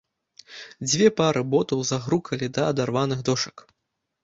Дзве пары ботаў загрукалі да адарваных дошак.